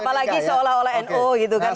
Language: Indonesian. apalagi seolah olah no gitu kan